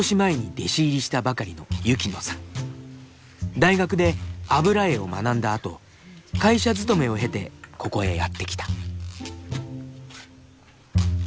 大学で油絵を学んだあと会社勤めを経てここへやって来た。